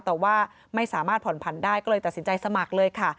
แต่ว่าไม่สามารถผ่อนผันได้ก็เลยตัดสินใจสมัครเลยค่ะ